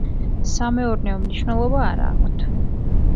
სამეურნეო მნიშვნელობა არა აქვთ.